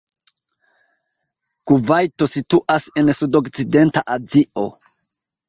Kuvajto situas en sudokcidenta Azio.